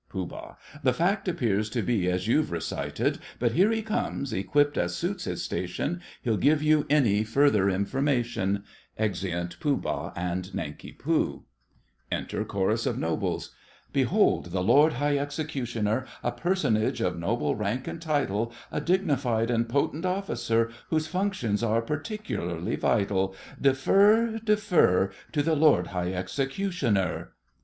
POOH. The fact appears to be as you've recited: But here he comes, equipped as suits his station; He'll give you any further information. [Exeunt Pooh Bah and Nanki Poo. Enter Chorus of Nobles. Behold the Lord High Executioner A personage of noble rank and title— A dignified and potent officer, Whose functions are particularly vital! Defer, defer, To the Lord High Executioner!